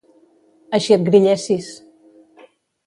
Així et grillessis!